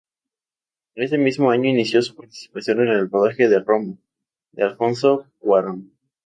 Ese mismo año inició su participación en el rodaje de "Roma" de Alfonso Cuarón.